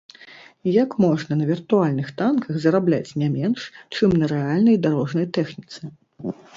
Як можна на віртуальных танках зарабляць не менш, чым на рэальнай дарожнай тэхніцы?